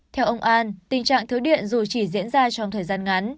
theo ông an tình trạng thiếu điện dù chỉ diễn ra trong thời gian ngắn